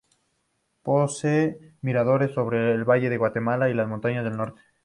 Posee miradores sobre el valle de Guatemala y las montañas del norte.